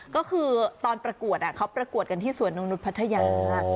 ก็คือตอนประกวดเขาประกวดกันที่สวนนกนุษย์พัทยา